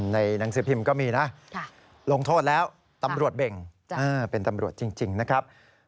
หนังสือพิมพ์ก็มีนะลงโทษแล้วตำรวจเบ่งเป็นตำรวจจริงนะครับ